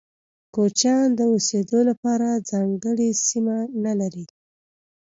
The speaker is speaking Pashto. کوچيان د اوسيدو لپاره ځانګړي سیمه نلري.